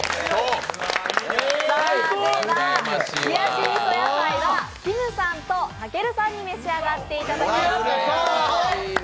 冷し味噌やさいはきむさんとたけるさんに召し上がっていただきます。